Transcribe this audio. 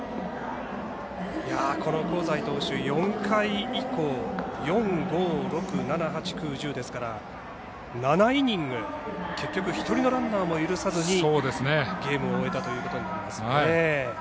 この香西投手４回以降４、５、６、７、８９、１０ですから７イニング、結局１人のランナーも許さずにゲームを終えたことになります。